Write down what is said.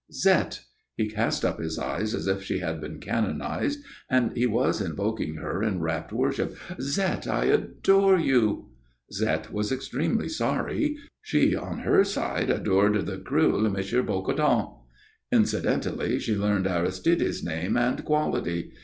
"Zette!" He cast up his eyes as if she had been canonized and he was invoking her in rapt worship. "Zette, I adore you!" Zette was extremely sorry. She, on her side, adored the cruel M. Bocardon. Incidentally she learned Aristide's name and quality.